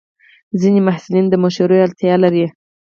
ځینې محصلین د مشورې اړتیا لري.